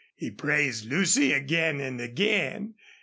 He praised Lucy again and again.